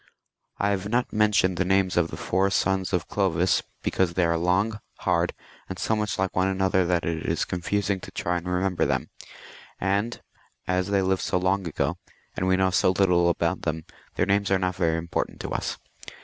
I have not mentioned the names of the four sons of Glovis, because they are long, hard, and so much like one another, that it is confusing to try to remember them ; and as they lived so long ago, and we know so little about them, their names are not very important to us.